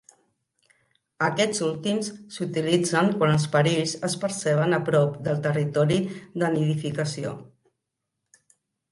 Aquests últims s'utilitzen quan els perills es perceben a prop del territori de nidificació.